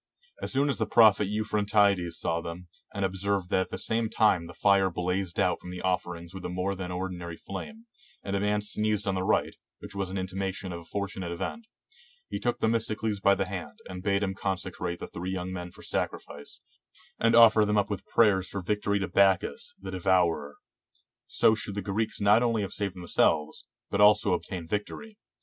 As soon as the prophet Euphrantides saw them, and observed that at the same time the fire blazed out from the offerings with a more than ordinary flame, and a man sneezed on the right, which was an intimation of a fortunate event, he took Themistocles by the hand, and bade him consecrate the three young men for sacrifice, and offer them up with prayers for victory to Bacchus the De vourer: so should the Greeks not only save themselves, but also obtain victory.